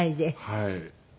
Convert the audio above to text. はい。